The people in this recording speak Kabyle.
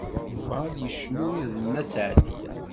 Yuba ad yecnu d Nna Seɛdiya.